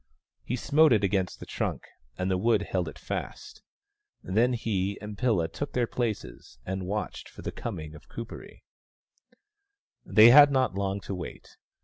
He smote it against the trunk, and the wood held it fast. Then he and Pilla took their places, and watched for the coming of Kuperee. They had not long to wait.